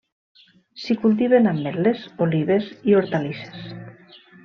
S'hi cultiven ametles, olives i hortalisses.